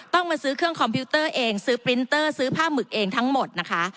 มาซื้อเครื่องคอมพิวเตอร์เองซื้อปรินเตอร์ซื้อผ้าหมึกเองทั้งหมดนะคะ